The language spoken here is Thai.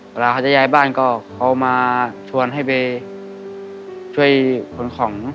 เวลาเขาจะย้ายบ้านก็เขามาชวนให้ไปช่วยขนของ